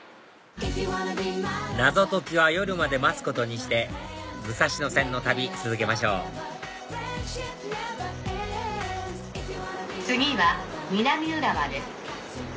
謎解きは夜まで待つことにして武蔵野線の旅続けましょう次は南浦和です。